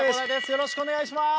よろしくお願いします。